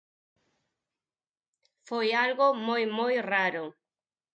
Foi algo moi moi raro.